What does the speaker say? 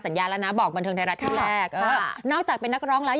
สิบสามปีเอง